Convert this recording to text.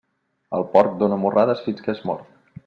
El porc dóna morrades fins que és mort.